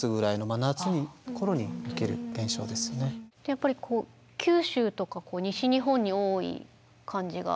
やっぱりこう九州とか西日本に多い感じが。